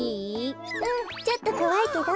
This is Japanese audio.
うんちょっとこわいけど。